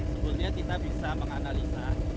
sebetulnya kita bisa menganalisa